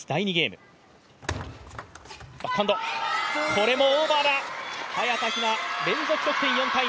これもオーバーだ、早田ひな、連続得点。